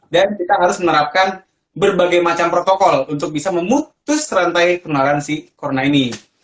dan kita harus menerapkan berbagai macam protokol untuk bisa memutus rantai penularan si corona ini